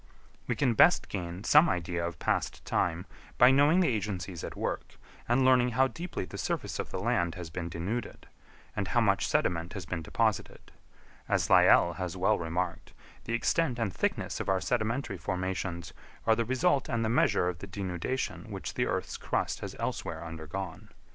We can best gain some idea of past time by knowing the agencies at work; and learning how deeply the surface of the land has been denuded, and how much sediment has been deposited. As Lyell has well remarked, the extent and thickness of our sedimentary formations are the result and the measure of the denudation which the earth's crust has elsewhere undergone.